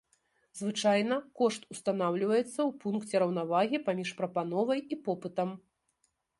Звычайна кошт устанаўліваецца ў пункце раўнавагі паміж прапановай і попытам.